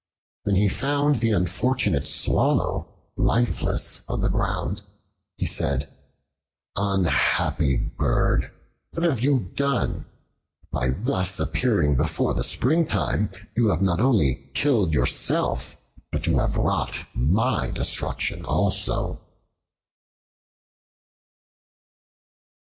When he found the unfortunate Swallow lifeless on the ground, he said, "Unhappy bird! what have you done? By thus appearing before the springtime you have not only killed yourself, but you have wrought my destruction also."